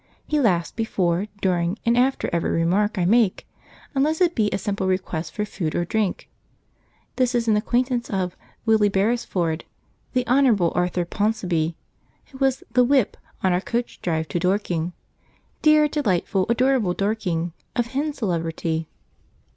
He laughs before, during, and after every remark I make, unless it be a simple request for food or drink. This is an acquaintance of Willie Beresford, the Honourable Arthur Ponsonby, who was the 'whip' on our coach drive to Dorking, dear, delightful, adorable Dorking, of hen celebrity.